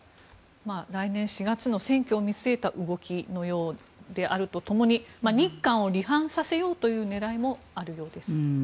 来年４月の選挙を見据えた動きであると同時に日韓を離反させようという狙いもあるようです。